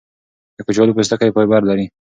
د کچالو پوستکی فایبر لري.